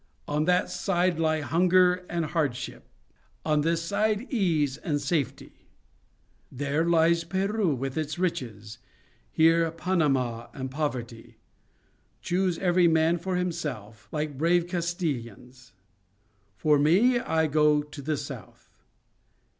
on that side lie hunger and hardship; on this side, ease and safety. There lies Peru with its riches; here, Panama and poverty. Choose, every man for himself, like brave Castilians. For me, I go to the south."